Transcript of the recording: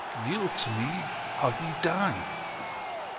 Yield to me, or ye die